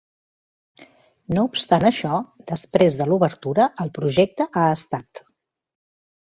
No obstant això, després de l'obertura, el projecte ha estat.